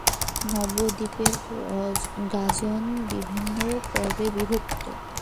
নবদ্বীপের গাজন বিভিন্ন পর্বে বিভক্ত।